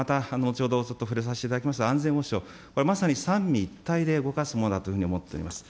ちょっと触れさせていただきますが、安全保障、これまさに三位一体で動かすものだと思っております。